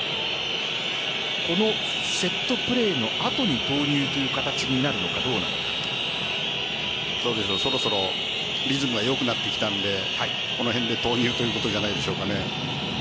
このセットプレーの後に投入という形になるのかそろそろリズムが良くなってきたのでこの辺で投入ということじゃないでしょうかね。